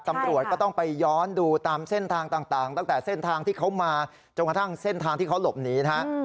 ตำรวจก็ต้องไปย้อนดูตามเส้นทางต่างตั้งแต่เส้นทางที่เขามาจนกระทั่งเส้นทางที่เขาหลบหนีนะฮะ